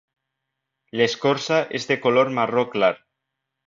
L'escorça és de color marró clar.